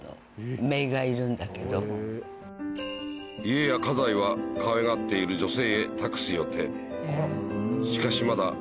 家や家財はかわいがっている女性へ託す予定